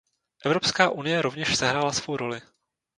Evropská unie rovněž sehrála svou roli.